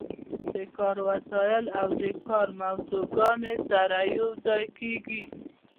د کار وسایل او د کار موضوعګانې سره یوځای کیږي.